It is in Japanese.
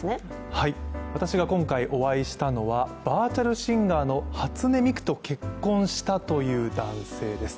はい、私が今回お会いしたのはバーチャルシンガーの初音ミクと結婚したという男性です。